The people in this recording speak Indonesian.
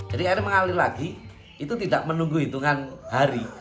jadi air mengalir lagi itu tidak menunggu hitungan hari